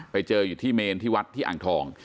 ไปเจออยู่ที่เมนที่วัดที่อ่างทอง